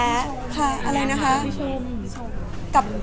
พอเสร็จจากเล็กคาเป็ดก็จะมีเยอะแยะมากมาย